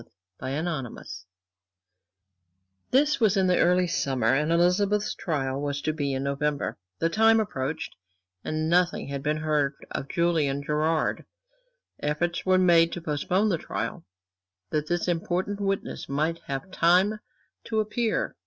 Chapter XXXIV This was in the early summer; and Elizabeth's trial was to be in November. The time approached, and nothing had been heard of Julian Gerard. Efforts were made to postpone the trial, that this important witness might have time to appear.